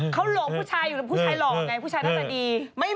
เขาหลอกผู้ชายอยู่แล้วผู้ชายหลอกไงผู้ชายน่าจะดี